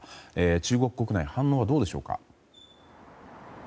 中国国内の反応はどうでしょうか。